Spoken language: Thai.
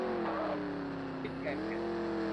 พริกแกงเผ็ด